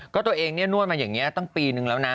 ก็ตัวเองเนี่ยนวดมาอย่างนี้ตั้งปีนึงแล้วนะ